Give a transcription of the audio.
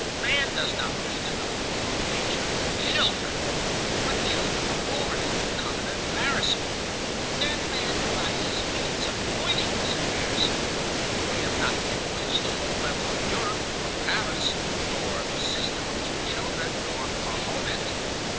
Man does not wish to know the law of nature,—children. But children are born and become an embarrassment. Then man devises means of avoiding this embarrassment. We have not yet reached the low level of Europe, nor Paris, nor the 'system of two children,' nor Mahomet.